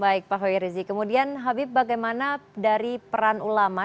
baik pak howir rizik kemudian habib bagaimana dari peran ulama